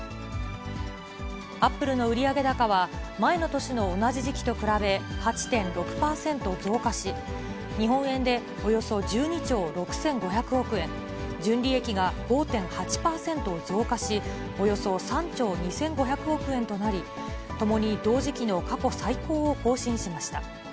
アップルの売上高は前の年の同じ時期と比べ８．６％増加し、日本円でおよそ１２兆６５００億円、純利益が５．８％増加し、およそ３兆２５００億円となり、ともに同時期の過去最高を更新しました。